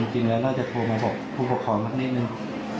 จริงแล้วน่าจะโทรมาบอกผู้ปกครองสักนิดนึง